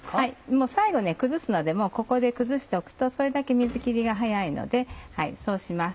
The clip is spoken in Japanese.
もう最後崩すのでここで崩しておくとそれだけ水切りが早いのでそうします。